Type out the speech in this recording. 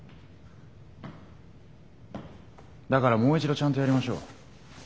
だからもう一度ちゃんとやりましょう。